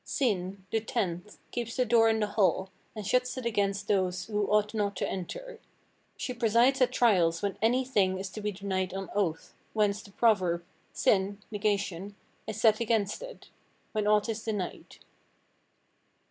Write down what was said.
Syn, the tenth, keeps the door in the hall, and shuts it against those who ought not to enter. She presides at trials when any thing is to be denied on oath, whence the proverb, 'Syn (negation) is set against it,' when ought is denied.